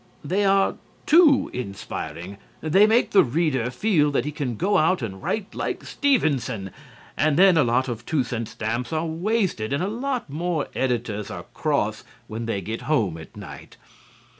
They are too inspiring. They make the reader feel that he can go out and write like Stevenson. And then a lot of two cent stamps are wasted and a lot more editors are cross when they get home at night.